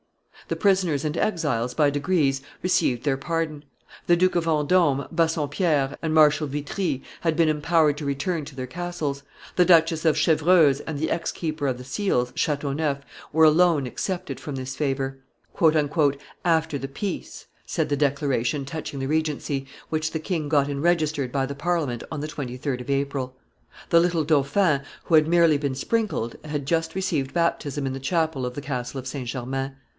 The prisoners and exiles, by degrees, received their pardon; the Duke of Vendome, Bassompierre, and Marshal Vitry had been empowered to return to their castles, the Duchess of Chevreuse and the ex keeper of the seals, Chateauneuf, were alone excepted from this favor. "After the peace," said the declaration touching the regency, which the king got enregistered by the Parliament on the 23d of April. The little dauphin, who had merely been sprinkled, had just received baptism in the chapel of the Castle of St. Germain.